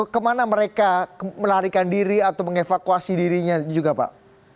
kemana mereka melarikan diri atau mengevakuasi dirinya juga pak